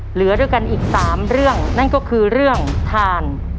เหลือด้วยกันอีก๓เรื่องนั่นก็คือเรื่องทาน